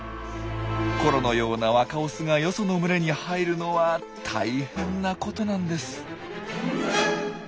コロのような若オスがよその群れに入るのは大変なことなんです。